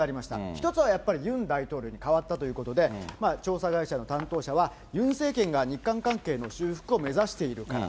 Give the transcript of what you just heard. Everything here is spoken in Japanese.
一つはやっぱり、ユン大統領に代わったということで、調査会社の担当者は、ユン政権が日韓関係の修復を目指しているから。